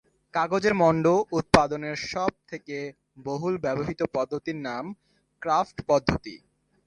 কাগজের মণ্ড উৎপাদনের সব থেকে বহুল ব্যবহৃত পদ্ধতির নাম ক্রাফট পদ্ধতি।